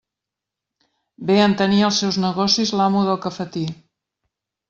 Bé entenia els seus negocis l'amo del cafetí.